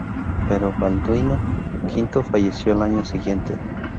Pero Balduino V falleció al año siguiente.